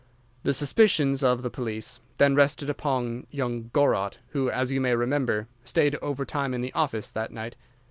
The suspicions of the police then rested upon young Gorot, who, as you may remember, stayed over time in the office that night.